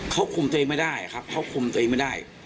เขาคุมตัวเองไม่ได้ครับเขาคุมตัวเองไม่ได้